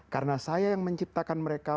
karena saya yang menciptakan mereka